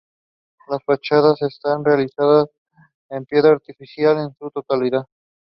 Warda finds out Hamza is also in hospital and rushes to meet him.